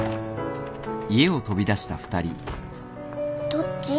どっち？